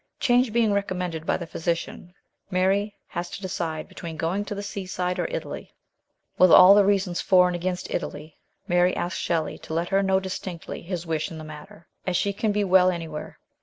Change being recommended by the physician, Mary has to decide between going to the seaside or Italy. With all the reasons for and against Italy, Mary asks Shelley to let her know distinctly his wish in the matter, as she can be well anywhere.